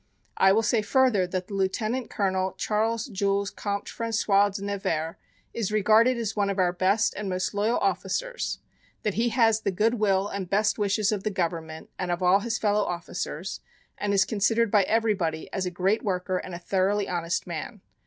I will say further that the Lieutenant Colonel Charles Jules Comte François de Nevers, is regarded as one of our best and most loyal officers, that he has the good will and best wishes of the government and of all his fellow officers, and is considered by everybody as a great worker and a thoroughly honest man.